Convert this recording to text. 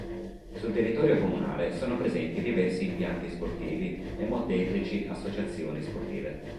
Sul territorio comunale sono presenti diversi impianti sportivi e molteplici associazioni sportive.